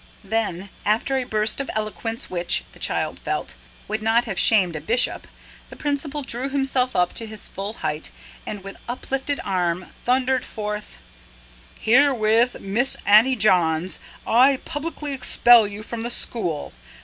When, after a burst of eloquence which, the child felt, would not have shamed a Bishop, the Principal drew himself up to his full height, and, with uplifted arm, thundered forth: "Herewith, Miss Annie Johns, I publicly expel you from the school!